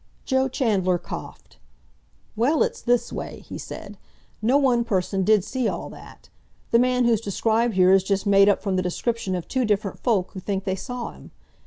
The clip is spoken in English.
Joe Chandler coughed. "Well, it's this way," he said. "No one person did see all that. The man who's described here is just made up from the description of two different folk who think they saw him.